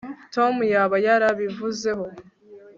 tom yaba yarabivuzeho